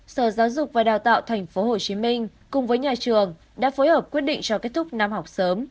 sở giáo dục và đào tạo tp hcm cùng với nhà trường đã phối hợp quyết định cho kết thúc năm học sớm